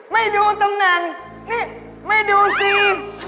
ไม่ดูตำดักนี่ไม่ดูซี